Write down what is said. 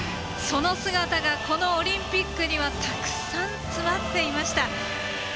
その姿が、このオリンピックにはたくさん詰まっていました。